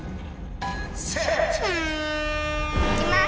いきます！